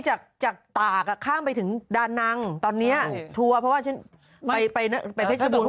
จะจากปากข้ามไปถึงดานั้งตอนนี้ท่วงเพราะว่าฉันไหมไปนะแม้ก็ดู